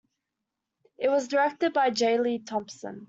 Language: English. It was directed by J. Lee Thompson.